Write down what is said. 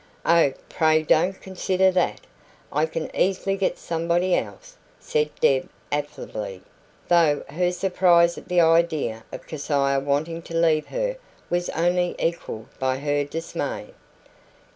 "Oh, pray don't consider that. I can easily get somebody else," said Deb affably, though her surprise at the idea of Keziah wanting to leave her was only equalled by her dismay.